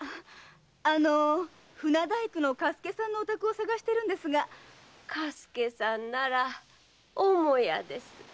あの船大工の嘉助さんのお宅を探してるんですが。嘉助さんなら母屋です。